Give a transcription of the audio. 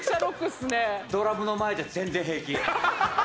ドラムの前じゃ全然平気。